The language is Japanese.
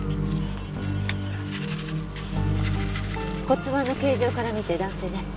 骨盤の形状から見て男性ね。